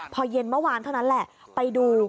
พอเย็นเมื่อวานเท่านั้นแหละไปดู